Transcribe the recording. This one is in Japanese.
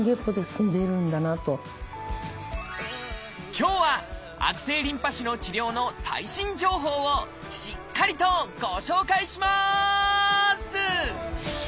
今日は悪性リンパ腫の治療の最新情報をしっかりとご紹介します！